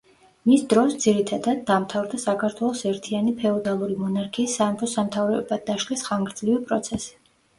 მის დროს, ძირითადად, დამთავრდა საქართველოს ერთიანი ფეოდალური მონარქიის სამეფო-სამთავროებად დაშლის ხანგრძლივი პროცესი.